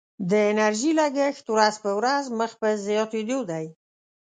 د انرژي لګښت ورځ په ورځ مخ په زیاتیدو دی.